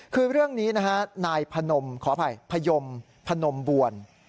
คือเรื่องนี้นะฮะนายพนมขออภัยพยมพนมบวล